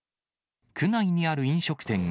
区内にある飲食店